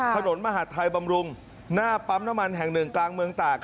ถนนมหาดไทยบำรุงหน้าปั๊มน้ำมันแห่งหนึ่งกลางเมืองตาก